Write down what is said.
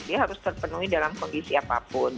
dia harus terpenuhi dalam kondisi apapun